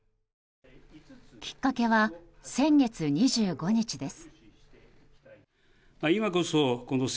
きっかけは先月２５日です。